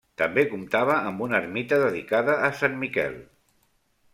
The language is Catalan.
També comptava amb una ermita dedicada a Sant Miquel.